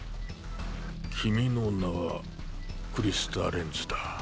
君の名はクリスタ・レンズだ。